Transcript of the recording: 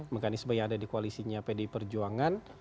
mekanisme yang ada di koalisinya pdi perjuangan